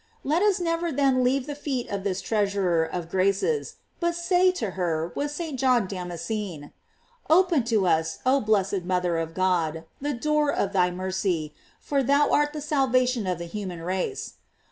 Let us never then leave the feet of this treasurer of graces, but say to her witli St. John Dama scene: Open to us, oh blessed mother of God, the door of thy mercy, for thou art the salvation of the human race.